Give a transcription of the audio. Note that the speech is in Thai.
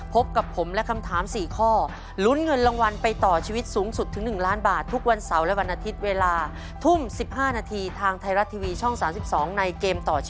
พบกับผมและคำถามสี่ข้อ